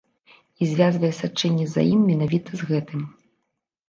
І звязвае сачэнне за ім менавіта з гэтым.